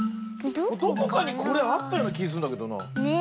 どこかにこれあったようなきすんだけどな。ね。